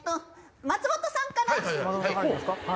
松本さんから。